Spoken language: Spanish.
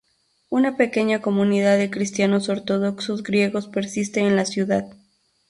Una pequeña comunidad de cristianos ortodoxos griegos persiste en la ciudad.